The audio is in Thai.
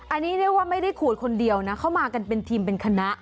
อันนี้เรียกว่าไม่ได้ขูดคนเดียวนะเข้ามากันเป็นทีมเป็นคณะ